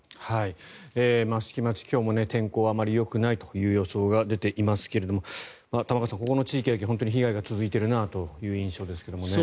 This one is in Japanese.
益城町、今日も天候があまりよくないという予想が出ていますが玉川さん、ここの地域だけ本当に被害が続いているなという印象ですけどね。